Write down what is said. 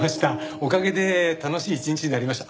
おかげで楽しい一日になりました。